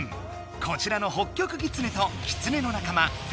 こちらのホッキョクギツネとキツネの仲間フェネック。